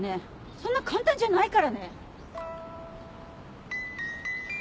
そんな簡単じゃないからね！